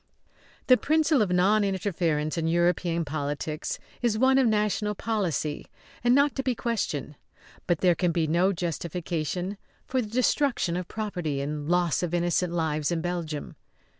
The principle of non interference in European politics is one of national policy and not to be questioned. But there can be no justification for the destruction of property and loss of innocent lives in Belgium.